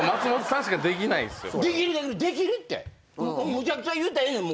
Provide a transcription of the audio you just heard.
むちゃくちゃ言うたらええねん